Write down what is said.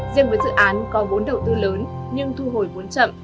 riêng với dự án có vốn đầu tư lớn nhưng thu hồi vốn chậm